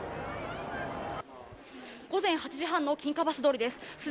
午前８時半の金華橋通りです。